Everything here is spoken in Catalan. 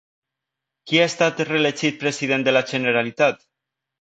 Qui ha estat reelegit president de la Generalitat?